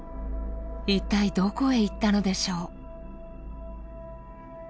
一体どこへ行ったのでしょう？